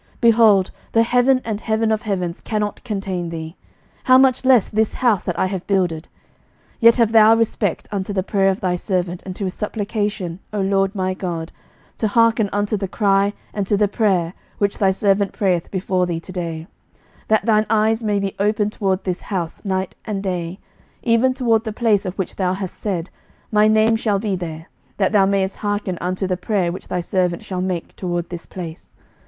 behold, the heaven and heaven of heavens cannot contain thee; how much less this house that I have builded? 11:008:028 Yet have thou respect unto the prayer of thy servant, and to his supplication, O LORD my God, to hearken unto the cry and to the prayer, which thy servant prayeth before thee to day: 11:008:029 That thine eyes may be open toward this house night and day, even toward the place of which thou hast said, My name shall be there: that thou mayest hearken unto the prayer which thy servant shall make toward this place.